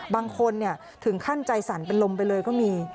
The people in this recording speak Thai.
บางคนถึงขั้นใจสั่นเป็นลมไปเลยก็มี